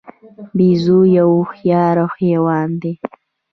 بیزو یو هوښیار حیوان دی.